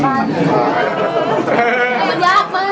มันยากมากมันยากมาก